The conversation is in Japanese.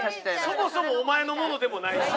そもそもお前のものでもないし。